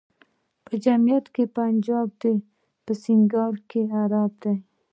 په جماعت کي پنجابی دی ، په سنګسار کي عربی دی